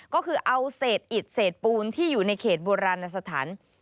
ก็คือเอาเศษอิดเศษปูนที่อยู่ในเขตโบราณสถาน